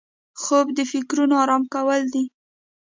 خوب د فکرونو آرام کول دي